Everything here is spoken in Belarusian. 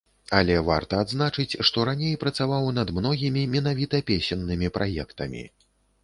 Але варта адзначыць, што раней працаваў над многімі менавіта песеннымі праектамі.